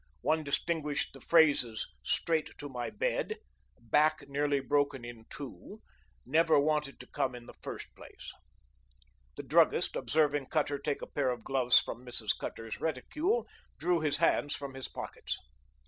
One distinguished the phrases "straight to my bed," "back nearly broken in two," "never wanted to come in the first place." The druggist, observing Cutter take a pair of gloves from Mrs. Cutter's reticule, drew his hands from his pockets.